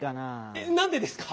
えっなんでですか⁉